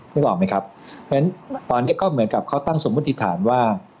นึกออกไหมครับเพราะฉะนั้นตอนนี้ก็เหมือนกับเขาตั้งสมมุติฐานว่า